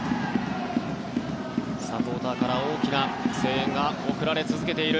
サポーターから大きな声援が送られ続けている